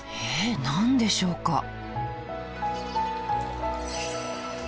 えっ何でしょうか？